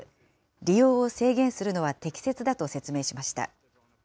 利用を制限するのは適切だと説明しました。